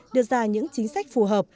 đưa ra những chính sách phù hợp